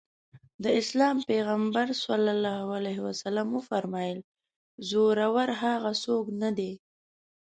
د اسلام پيغمبر ص وفرمايل زورور هغه څوک نه دی.